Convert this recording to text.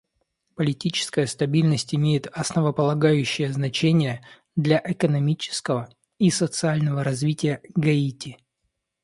Политическая стабильность имеет основополагающее значение для экономического и социального развития Гаити.